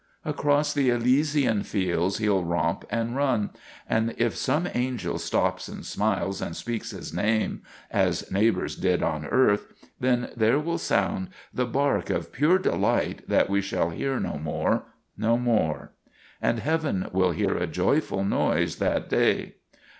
Across the Elysian fields he '11 romp and run ; and if some angel stops and smiles and speaks his name, as neighbors did on earth, then there will sound the PRAYER FOR A PUP 317 bark of pure delight that we shall hear no more, no more; and heaven will hear a joyful noise that day.